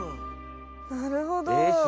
なるほど。